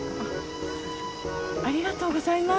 ありがとうございます。